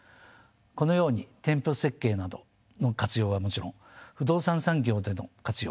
このように店舗設計などの活用はもちろん不動産産業での活用